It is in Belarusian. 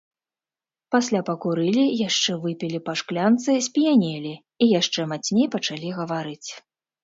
Пасля пакурылі, яшчэ выпілі па шклянцы, сп'янелі і яшчэ мацней пачалі гаварыць.